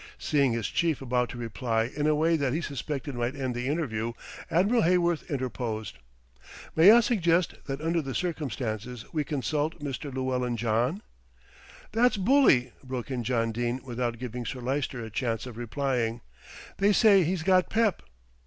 Seeing his Chief about to reply in a way that he suspected might end the interview, Admiral Heyworth interposed. "May I suggest that under the circumstances we consult Mr. Llewellyn John?" "That's bully," broke in John Dene without giving Sir Lyster a chance of replying. "They say he's got pep."